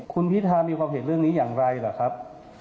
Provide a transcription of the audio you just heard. คุณพิธามีความเห็นเรื่องนี้อย่างไรหรือครับ